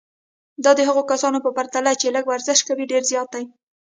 دا د هغو کسانو په پرتله چې لږ ورزش کوي ډېر زیات دی.